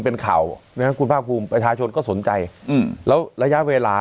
เป็นข่าวนะครับคุณภาคภูมิประชาชนก็สนใจอืมแล้วระยะเวลา